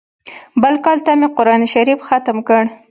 بل کال ته مې قران شريف ختم کړ.